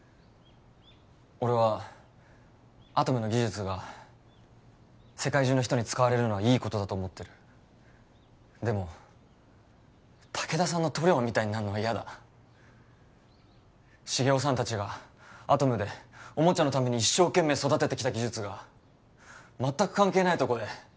俺はアトムの技術が世界中の人に使われるのはいいことだと思ってるでも武田さんの塗料みたいになんのは嫌だ繁雄さん達がアトムでおもちゃのために一生懸命育ててきた技術が全く関係ないとこで悪用されんのは違うと思う